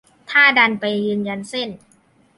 ถ้าดันไปยืนยันเส้น